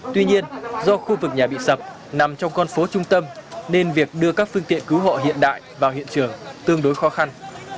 tuy nhiên do khu vực nhà bị sập nằm trong con phố trung tâm nên việc đưa các phương tiện cứu hộ hiện đại vào hiện trường tương đối khó khăn